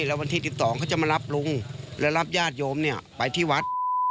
แล้ววันที่๑๒เขาจะมารับลุงและรับญาติโยมไปที่วัด